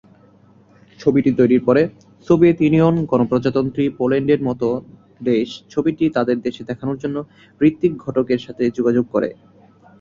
ছবিটি তৈরির পরে, সোভিয়েত ইউনিয়ন, গণপ্রজাতন্ত্রী পোল্যান্ডের মতো দেশ ছবিটি তাঁদের দেশে দেখানোর জন্য ঋত্বিক ঘটকের সাথে যোগাযোগ করে।